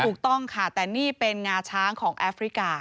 ถูกต้องค่ะแต่นี่เป็นงาช้างของแอฟริกา